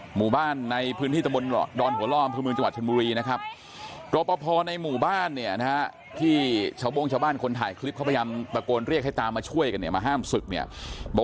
หมู่บ้านในพื้นที่ดรหัวรอมพื้นมืองจังหวัดชนมุรีนะครับ